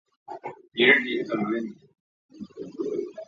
毛振飞住在基隆市的国民住宅老公寓。